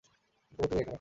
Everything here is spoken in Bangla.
তবুও তুমি এখানে!